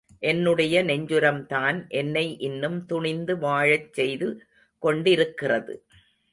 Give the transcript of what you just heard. என்னுடைய நெஞ்சுரம்தான் என்னை இன்னும் துணிந்து வாழச் செய்து கொண்டிருக்கிறது.